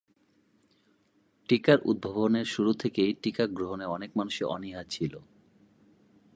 টিকার উদ্ভাবনের শুরু থেকেই টিকা গ্রহণে অনেক মানুষের অনীহা ছিল।